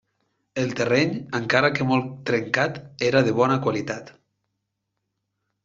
El terreny, encara que molt trencat, era de bona qualitat.